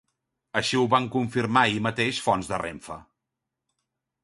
Així ho van confirmar ahir mateix fonts de Renfe.